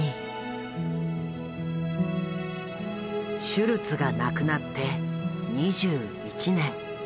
シュルツが亡くなって２１年。